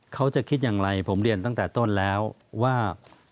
เขาจะคิดอย่างไรผมเรียนตั้งแต่ต้นแล้วว่า